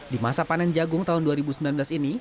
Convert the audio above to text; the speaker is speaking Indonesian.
di masa panen jagung tahun dua ribu sembilan belas ini